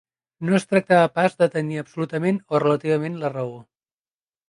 No es tractava pas de tenir absolutament o relativament la raó.